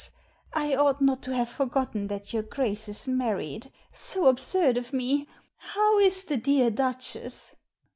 I ought not to have forgotten that your Grace is married. So absurd of me. How is the dear Duchess?